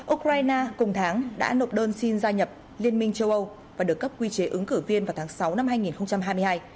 ukraine cùng tháng đã nộp đơn xin gia nhập liên minh châu âu và được cấp quy chế ứng cử viên vào tháng sáu năm hai nghìn hai mươi hai